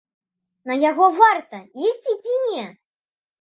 На яго варта ісці ці не?